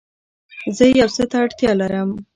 زه يو څه ته اړتيا لرم